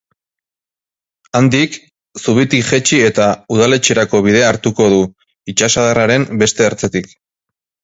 Handik, zubitik jaitsi eta udaletxerako bidea hartuko du, itsasadarraren beste ertzetik.